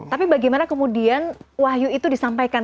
tapi bagaimana kemudian wahyu itu disampaikan